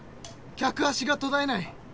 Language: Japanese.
客足が途絶えない。